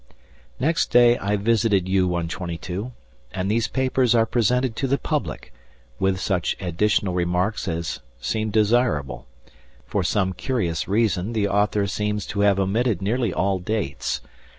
Next day I visited U.122, and these papers are presented to the public, with such additional remarks as seemed desirable; for some curious reason the author seems to have omitted nearly all dates.